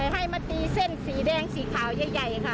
ให้มาตีเส้นสีแดงสีขาวใหญ่ค่ะ